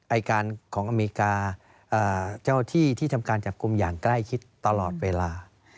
อายการของอเมริกาเจ้าที่ที่ทำการจับกลุ่มอย่างใกล้ชิดตลอดเวลา